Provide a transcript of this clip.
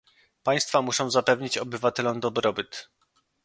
Państwa muszą zapewnić obywatelom dobrobyt